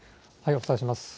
お伝えします。